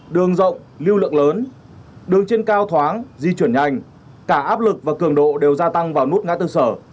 đường rộng lưu lượng lớn đường trên cao thoáng di chuyển nhanh cả áp lực và cường độ đều gia tăng vào nút ngã tư sở